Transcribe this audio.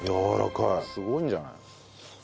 すごいんじゃない？